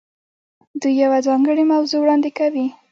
دوی یوه ځانګړې موضوع وړاندې کوي.